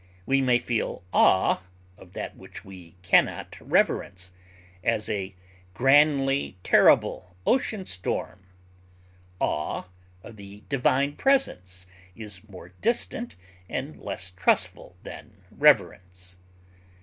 We may feel awe of that which we can not reverence, as a grandly terrible ocean storm; awe of the divine presence is more distant and less trustful than reverence.